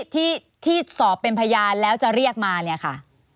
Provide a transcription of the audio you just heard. ที่สอบเป็นพยานแล้วจะเรียกมาเนี่ยค่ะ